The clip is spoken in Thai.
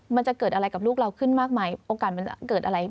มันจะเกิดอะไรกับลูกเราขึ้นมากมายโอกาสมันเกิดอะไร